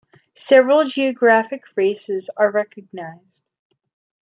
Several geographic races are recognized.